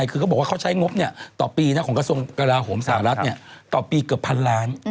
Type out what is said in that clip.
เขามาจากจังหวัดอะไรคะ